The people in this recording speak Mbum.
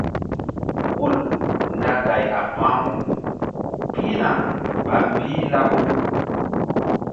Hul nda gay a pa̧-u pihna ɓa mbih laɓu.